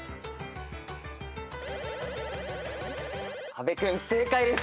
阿部君正解です。